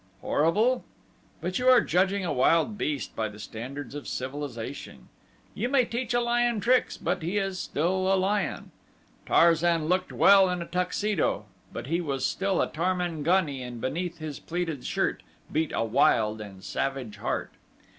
Horrible? But you are judging a wild beast by the standards of civilization. You may teach a lion tricks, but he is still a lion. Tarzan looked well in a Tuxedo, but he was still a Tarmangani and beneath his pleated shirt beat a wild and savage heart.